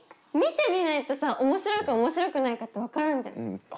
見てみないとさ面白いか面白くないかって分からないじゃん。